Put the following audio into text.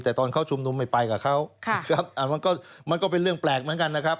แต่ตอนเขาชุมนุมไม่ไปกับเขามันก็เป็นเรื่องแปลกเหมือนกันนะครับ